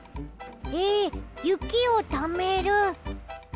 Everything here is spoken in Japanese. ええっゆきをためる？